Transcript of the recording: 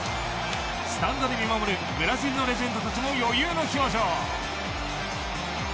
スタンドで見守るブラジルのレジェンドたちも余裕の表情。